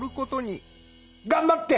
頑張って！